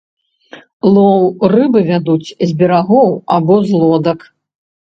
Лоў рыбы вядуць з берагоў або з лодак.